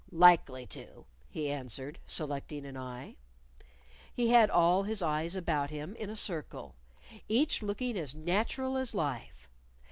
"Likely to," he answered, selecting an eye. He had all his eyes about him in a circle, each looking as natural as life.